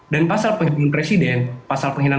dan pasal penghinaan presiden pasal penghinaan